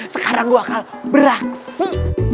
sekarang gua akan beraksi